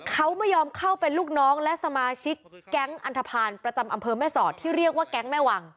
เขาไม่ยอมเข้าเป็นลูกน้องและสมาชิกแก๊งอันทภาณประจำอำเภอแม่สอดที่เรียกว่าแก๊งแม่วัง